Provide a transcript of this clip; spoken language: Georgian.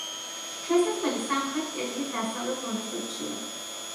შესასვლელი სამხრეთ კედლის დასავლეთ მონაკვეთშია.